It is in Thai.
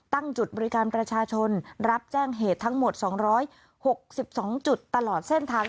ตั้งจุดบริการประชาชนรับแจ้งเหตุทั้งหมด๒๖๒จุดตลอดเส้นทาง